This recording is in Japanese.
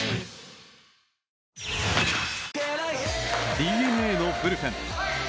ＤｅＮＡのブルペン。